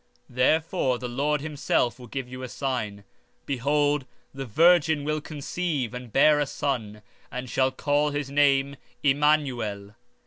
17:14 Therefore, the Lord himself shall give you a sign—Behold, a virgin shall conceive, and shall bear a son, and shall call his name Immanuel.